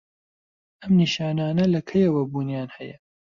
ئەم نیشانانه لە کەیەوە بوونیان هەیە؟